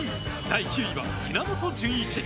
第９位は、稲本潤一。